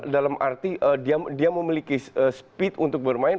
dalam arti dia memiliki speed untuk bermain